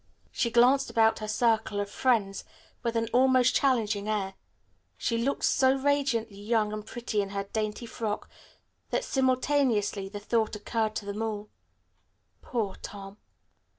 She glanced about her circle of friends with an almost challenging air. She looked so radiantly young and pretty in her dainty frock that simultaneously the thought occurred to them all, "Poor Tom."